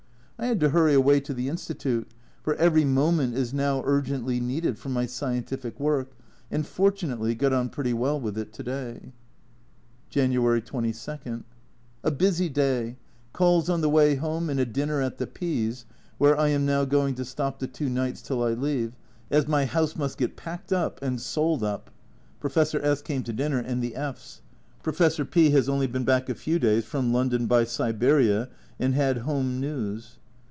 I had to hurry away to the Institute, for every moment is now A Journal from Japan 263 urgently needed for my scientific work, and, fortun ately, got on pretty well with it to day. January 22. A busy day calls on the way home and a dinner at the P s', where I am now going to stop the two nights till I leave, as my house must get packed up and sold up. Professor S came to dinner, and the F s. Professor P has only been back a few days from London by Siberia, and had home news.